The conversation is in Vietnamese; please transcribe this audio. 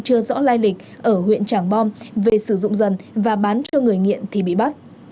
chưa rõ lai lịch ở huyện tràng bom về sử dụng dần và bán cho người nghiện thì bị bắt